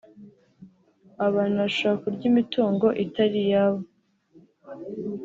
abantu bashobora kurya imitungo itari iyabo